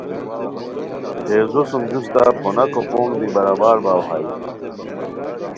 خیزو سُم جوستہ پھوناکو پونگ دی برابر باؤ ہائے